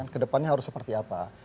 ke depannya harus seperti apa